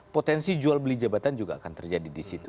potensi jual beli jabatan juga akan terjadi di situ